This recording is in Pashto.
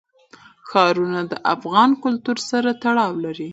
ښارونه د افغان کلتور سره تړاو لري.